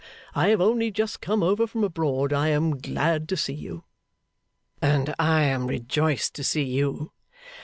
_ I have only just come over from abroad. I am glad to see you.' 'And I am rejoiced to see you.